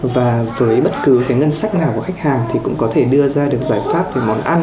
và với bất cứ ngân sách nào của khách hàng thì cũng có thể đưa ra được giải pháp về món ăn